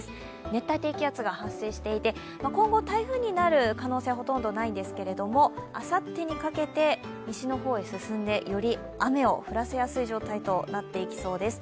熱帯低気圧が発生していて今後台風になる可能性はほとんどないんですけれども、あさってにかけて、西の方へ進んで、より雨を降らせやすい状態となっていきそうです。